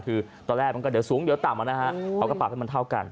คือตอนแรกมันก็เดี๋ยวสูงเดี๋ยวต่ำนะฮะเขาก็ปรับให้มันเท่ากัน